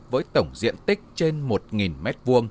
với tổng diện tích trên một nghìn m hai